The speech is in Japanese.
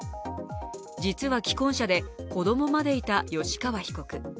実は既婚者で子供までいた吉川被告。